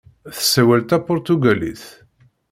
Tessawal tapuṛtugalit.